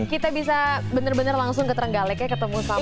mudah mudahan kita bisa benar benar langsung ke terenggaleknya ketemu sama remy